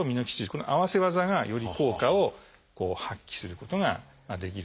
この合わせ技がより効果を発揮することができるというわけですね。